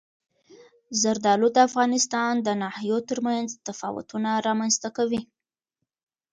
زردالو د افغانستان د ناحیو ترمنځ تفاوتونه رامنځته کوي.